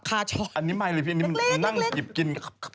นั่งหยีบกิน